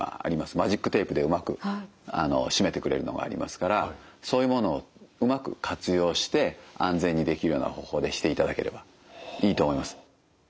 マジックテープでうまく締めてくれるのがありますからそういうものをうまく活用して安全にできるような方法でしていただければいいと思います。